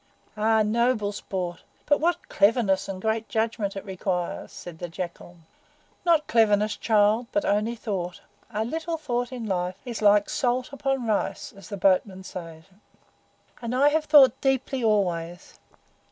"Ah, noble sport! But what cleverness and great judgment it requires!" said the Jackal. "Not cleverness, child, but only thought. A little thought in life is like salt upon rice, as the boatmen say, and I have thought deeply always.